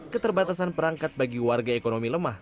keterbatasan perangkat bagi warga ekonomi lemah